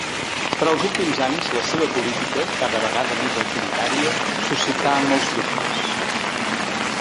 Però els últims anys la seva política, cada vegada més autoritària, suscità molts dubtes.